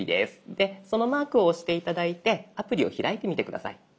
でそのマークを押して頂いてアプリを開いてみて下さい。